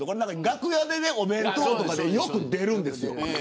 楽屋でお弁当とかでよく出るんです。